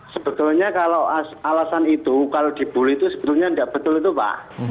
sebetulnya kalau alasan itu kalau dibully itu sebetulnya tidak betul itu pak